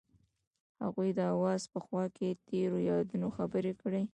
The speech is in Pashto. هغوی د اواز په خوا کې تیرو یادونو خبرې کړې.